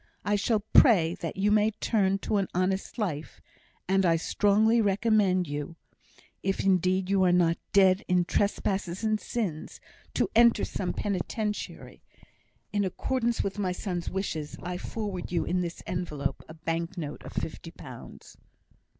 I shall pray that you may turn to an honest life, and I strongly recommend you, if indeed you are not 'dead in trespasses and sins,' to enter some penitentiary. In accordance with my son's wishes, I forward you in this envelope a bank note of fifty pounds.